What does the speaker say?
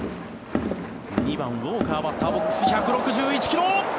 ２番、ウォーカーバッターボックス１６１ｋｍ！